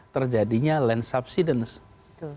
terjadinya land subsidence